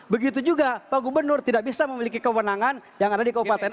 begitu juga pak gubernur tidak bisa memiliki kewenangan yang ada di kabupaten